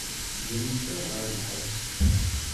Gran-ten ɣer lḥebs.